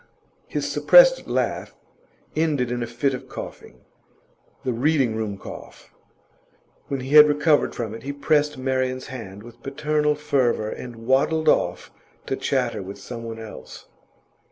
His suppressed laugh ended in a fit of coughing the Reading room cough. When he had recovered from it, he pressed Marian's hand with paternal fervour, and waddled off to chatter with someone else.